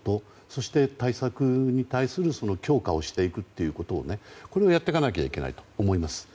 そして、対策に対する強化をしていくということをやっていかないといけないと思います。